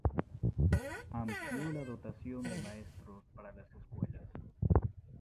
Amplió la dotación de maestros para las escuelas.